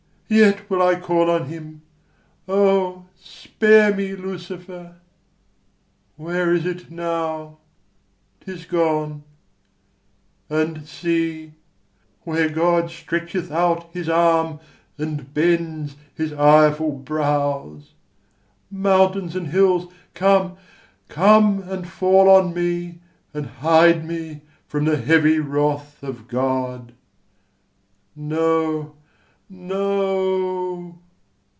Yet will I call on him: O, spare me, Lucifer! Where is it now? 'tis gone: and see, where God Stretcheth out his arm, and bends his ireful brows! Mountains and hills, come, come, and fall on me, And hide me from the heavy wrath of God! No, no!